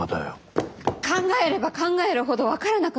考えれば考えるほど分からなくなるんです。